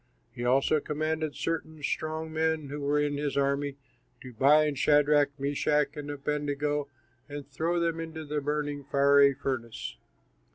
He also commanded certain strong men who were in his army to bind Shadrach, Meshach, and Abednego, and throw them into the burning, fiery furnace.